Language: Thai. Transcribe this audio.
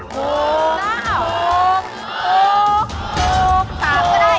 ๓ก็ได้